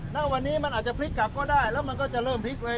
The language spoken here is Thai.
ณวันนี้มันอาจจะพลิกกลับก็ได้แล้วมันก็จะเริ่มพลิกไว้